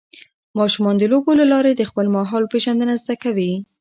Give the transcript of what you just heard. ماشومان د لوبو له لارې د خپل ماحول پېژندنه زده کوي.